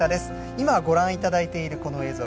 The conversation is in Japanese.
今、ご覧いただいているこの映像